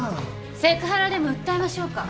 セクハラでも訴えましょうか？